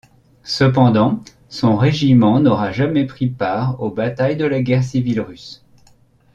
Cependant, son régiment n'aura jamais pris part aux batailles de la guerre civile russe.